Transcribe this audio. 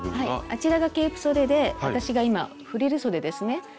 あちらがケープそでで私が今フリルそでですね。